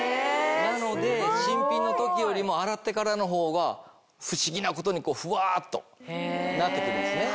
なので新品の時よりも洗ってからのほうが不思議なことにふわっとなって来るんですね。